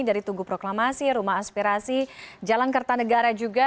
dari tugu proklamasi rumah aspirasi jalan kertanegara juga